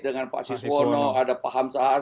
dengan pak siswano ada pak hamzahas